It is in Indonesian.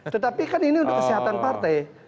tetapi kan ini untuk kesehatan partai